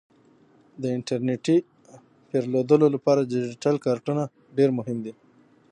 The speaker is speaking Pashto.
د انټرنیټي پیرودلو لپاره ډیجیټل کارتونه ډیر مهم دي.